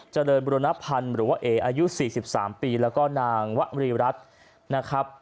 เจริญบุรณพันธ์หรือว่าเออายุ๔๓ปีแล้วก็นางวรีรัฐนะครับ